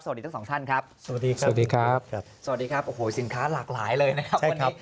สวัสดีทั้ง๒ท่านครับสวัสดีครับสินค้าหลากหลายเลยนะครับ